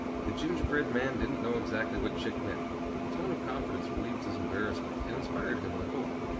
The gingerbread man didn't know exactly what Chick meant, but the tone of confidence relieved his embarrassment and inspired him with hope.